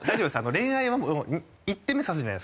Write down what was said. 恋愛は１手目指すじゃないですか。